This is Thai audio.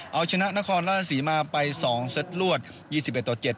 เอาชนะนครราชสีมาไป๒เซตรวรรดิ